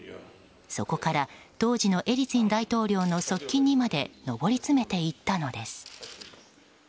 そこから当時のエリツィン大統領の側近にまで上り詰めていったのです。